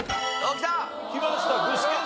きました具志堅さん。